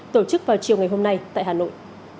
tổ chức vào chiều ngày hôm nay tại hà nội